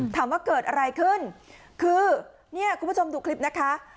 ถามว่าเกิดอะไรขึ้นคือเนี่ยคุณผู้ชมดูคลิปนะคะ